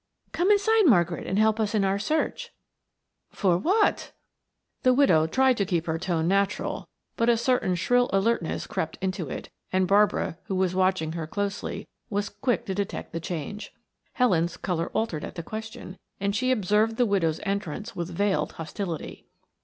"Come inside, Margaret, and help us in our search." "For what?" The widow tried to keep her tone natural, but a certain shrill alertness crept into it and Barbara, who was watching her closely, was quick to detect the change. Helen's color altered at the question, and she observed the widow's entrance with veiled hostility.